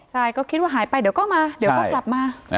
ใช่ก็คิดว่าหายไปเดี๋ยวก็มาเดี๋ยวก็กลับมา